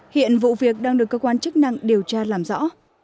hiện vụ việc đang được cơ quan chức năng điều tra làm rõ